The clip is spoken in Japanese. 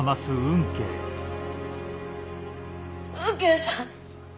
吽慶さん！